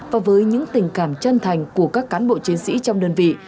và với những tình cảm chân thành của các cán bộ chiến sĩ trong đơn vị